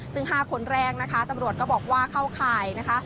ซึ่ง๕คนแรงตำรวจก็บอกว่าเข้าข่าย